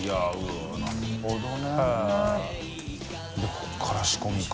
ここから仕込みか。